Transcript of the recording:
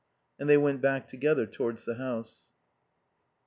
And they went back together towards the house.